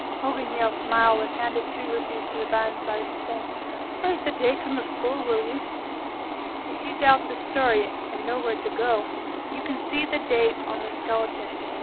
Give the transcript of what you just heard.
Hogan Yale smiled and handed two rupees to the Band Sergeant, saying: "Write the date on the skull, will you?" If you doubt this story, and know where to go, you can see the date on the skeleton.